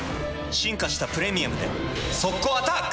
進化した「プレミアム」で速攻アタック！